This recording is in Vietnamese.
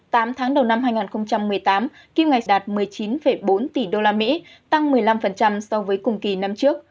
tám tháng đầu năm hai nghìn một mươi tám kim ngạch đạt một mươi chín bốn tỷ usd tăng một mươi năm so với cùng kỳ năm trước